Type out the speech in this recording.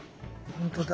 本当だ。